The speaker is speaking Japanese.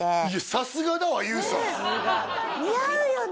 さすがだわＹＯＵさんねえピッタリ似合うよね？